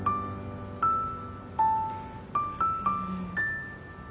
うん。